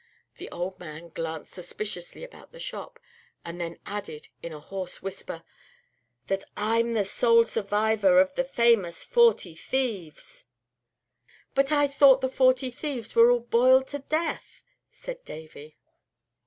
The old man glanced suspiciously about the shop, and then added, in a hoarse whisper: That I'm the sole survivor of The famous Forty Thieves! "But I thought the Forty Thieves were all boiled to death," said Davy.